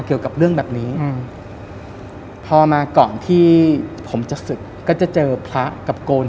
เกี่ยวกับเรื่องแบบนี้อืมพอมาก่อนที่ผมจะศึกก็จะเจอพระกับโกน